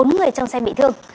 bốn người trong xe bị thương